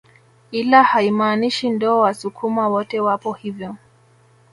Ila haimaanishi ndo wasukuma wote wapo hivyo